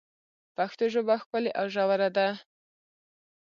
پښتو ژبه ښکلي او ژوره ده.